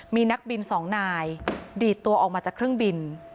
มีนักบินสองนายดีดตัวออกมาจากเครื่องบิน